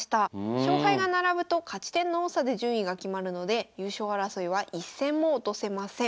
勝敗が並ぶと勝ち点の多さで順位が決まるので優勝争いは一戦も落とせません。